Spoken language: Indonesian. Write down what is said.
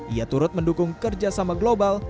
ia turut mendukung kerjasama global